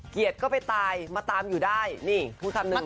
เกียรติก็ไปตายมาตามอยู่ได้นี่พูดคำนึง